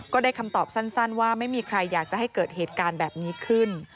ได้คำตอบสั้นว่าไม่มีใครอยากจะให้เกิดเหตุการณ์แบบนี้ขึ้น